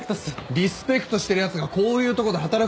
リスペクトしてるやつがこういうとこで働くか？